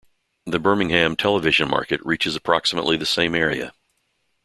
The Birmingham television market reaches approximately the same area.